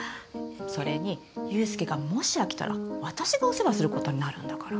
それに祐介がもし飽きたら私がお世話することになるんだから。